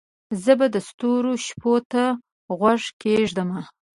زه به د ستورو شپو ته غوږ کښېږدمه